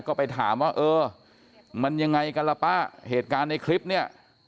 ก็ไปถามว่าเออมันยังไงกันล่ะป้าเหตุการณ์ในคลิปเนี่ย